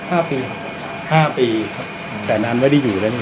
ห้าปีครับห้าปีครับแต่นานไม่ได้อยู่แล้วนี่